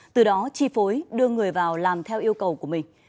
từ đó chi phối đưa người vào làm theo yêu cầu của mình